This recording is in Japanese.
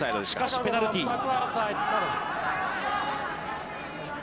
しかしペナルティー。